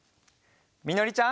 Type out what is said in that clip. みのりちゃん。